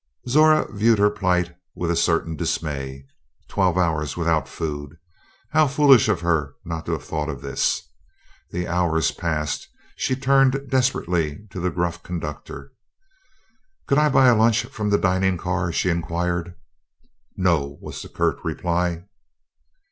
Zora viewed her plight with a certain dismay twelve hours without food! How foolish of her not to have thought of this. The hours passed. She turned desperately to the gruff conductor. "Could I buy a lunch from the dining car?" she inquired. "No," was the curt reply.